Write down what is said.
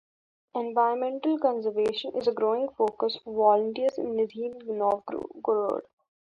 Environmental conservation is a growing focus for volunteers in Nizhny Novgorod.